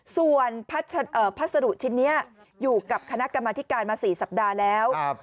ส่วนพัสดุชิ้นนี้อยู่กับคณะกรรมธิการมา๔สัปดาห์แล้ว